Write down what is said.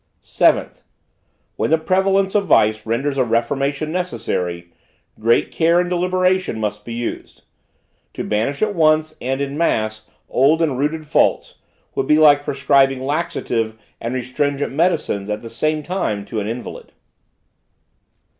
"7th. When the prevalence of vice renders a reformation necessary, great care and deliberation must be used; to banish at once, and in a mass, old and rooted faults, would be like prescribing laxative and restringent medicines at the same time to an invalid.